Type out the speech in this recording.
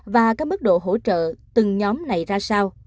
và các mức độ hỗ trợ từng nhóm này ra sao